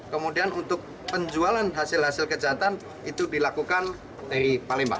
kemudian untuk penjualan hasil hasil kejahatan itu dilakukan dari palembang